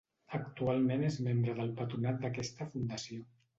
Actualment és membre del Patronat d'aquesta fundació.